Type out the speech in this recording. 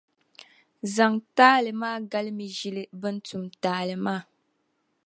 zaŋ taali maa galimi ʒili bɛn tum taali maa.